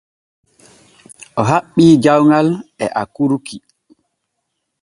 O haɓɓi jawŋal e akurki.